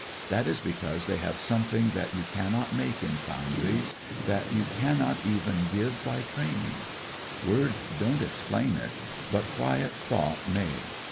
That is because they have something that you cannot make in foundries ; that you can 118 A REVEREND CORPORAL not even give by training. Words won*t explain it, but quiet thought may.